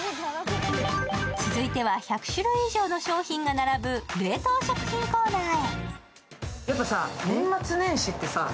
続いては、１００種類以上の商品が並ぶ冷凍食品コーナーへ。